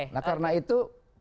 nah karena itu